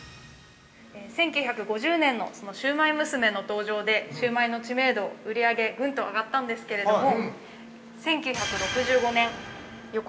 ◆１９５０年のシウマイ娘の登場でシウマイの知名度、売り上げ、ぐんと上がったんですけれども。